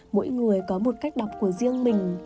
mỗi người có một cách đọc của riêng mình